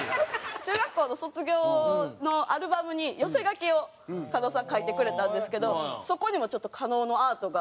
中学校の卒業のアルバムに寄せ書きを加納さん書いてくれたんですけどそこにもちょっと加納のアートが。